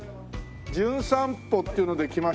『じゅん散歩』っていうので来ました